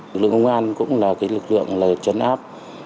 lực lượng công an cũng là cái lực lượng là chấn áp